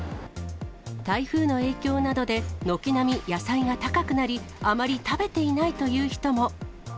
台風の影響などで、軒並み野菜が高くなり、あまり食べていないという人も。